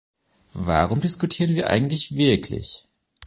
Warum diskutieren wir eigentlich wirklich?